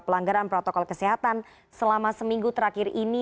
pelanggaran protokol kesehatan selama seminggu terakhir ini